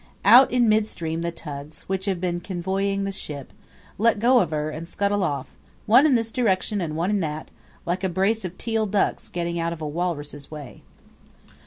Out in midstream the tugs, which have been convoying the ship, let go of her and scuttle off, one in this direction and one in that, like a brace of teal ducks getting out of a walrus' way.